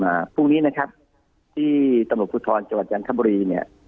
มาพรุ่งนี้นะครับที่ตำรวจพิธรจังห์พระมุรีเนี่ย